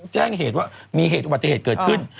แจ้งเหตุว่ามีเหตุอุบัติเหตุเกิดขึ้น